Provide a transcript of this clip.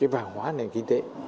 vàng hóa nền kinh tế